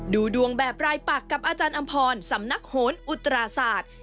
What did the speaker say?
ดูดวงแบบรายปักกับอาจารย์อำพรสำนักโหนอุตราศาสตร์